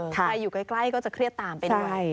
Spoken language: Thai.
ใครอยู่ใกล้ก็จะเครียดตามไปด้วย